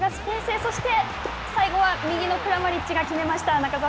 そして最後は右のクラマリッチが決めました。